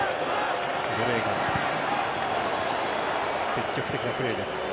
積極的なプレーです。